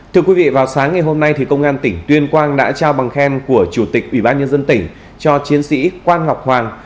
thưa quý vị vào sáng ngày hôm nay công an tỉnh tuyên quang đã trao bằng khen của chủ tịch ủy ban nhân dân tỉnh cho chiến sĩ quan ngọc hoàng